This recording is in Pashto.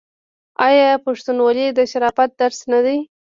آیا پښتونولي د شرافت درس نه دی؟